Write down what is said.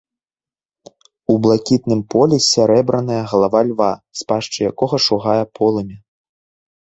У блакітным полі сярэбраная галава льва, з пашчы якога шугае полымя.